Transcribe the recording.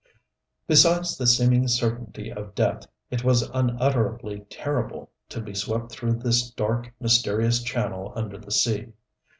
Besides the seeming certainty of death, it was unutterably terrible to be swept through this dark, mysterious channel under the sea.